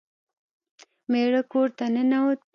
میړه کور ته ننوت.